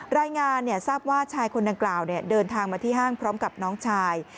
รายงานทราบว่าชายคนดังกล่าวเดินทางมาที่ห้างพร้อมกับน้องชาย